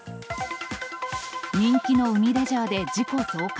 人気の海レジャーで事故増加。